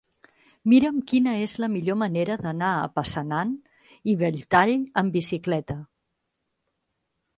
Mira'm quina és la millor manera d'anar a Passanant i Belltall amb bicicleta.